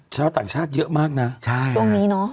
ชาวต่างชาติเยอะมากนะช่วงนี้เนอะ